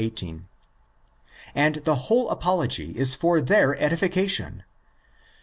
And the whole apology is for their edifi cation (xii.